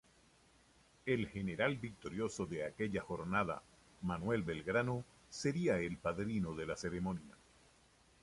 El general victorioso de aquella jornada, Manuel Belgrano sería el padrino de la ceremonia.